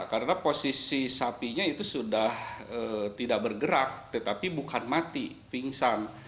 karena posisi sapinya itu sudah tidak bergerak tetapi bukan mati pingsan